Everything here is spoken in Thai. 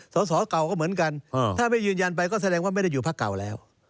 สอสอเก่าก็เหมือนกันถ้าไม่ยืนยันไปก็แสดงว่าไม่ได้อยู่พักเก่าแล้ว